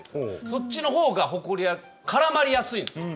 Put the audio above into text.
そっちのほうがほこりは絡まりやすいんですよ。